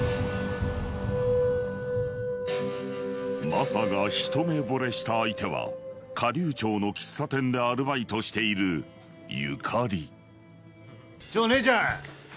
雅がひと目ぼれした相手は火竜町の喫茶店でアルバイトしているゆかりちょ姉ちゃん！